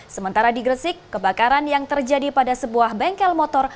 sementara di gresik kebakaran yang terjadi pada sebuah bengkel motor